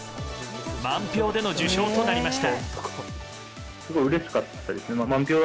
満票での受賞となりました。